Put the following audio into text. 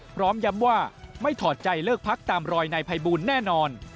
พร้อมย้ำว่าไม่ถอดใจเลิกพักตามรอยนายภัยบูลแน่นอน